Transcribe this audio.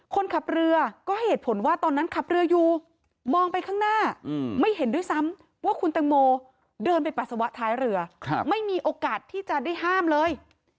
คนขับเรือก็เหตุผลว่าตอนนั้นขับเรืออยู่มองไปข้างหน้าไม่เห็นด้วยซ้ำว่าคุณตังโมเดินไปปัสสาวะท้ายเรือไม่มีโอกาสที่จะได้ห้ามเลย